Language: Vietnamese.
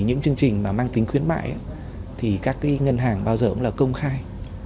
những chương trình mà mang tính khuyến mại thì các cái ngân hàng bao giờ cũng là công khai